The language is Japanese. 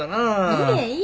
いえいえ。